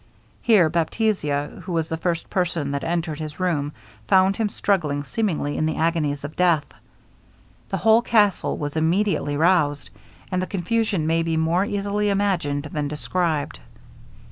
Here Baptista, who was the first person that entered his room, found him struggling seemingly in the agonies of death. The whole castle was immediately roused, and the confusion may be more easily imagined than described.